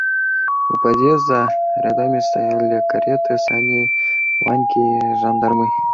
У подъезда рядами стояли кареты, сани, ваньки, жандармы.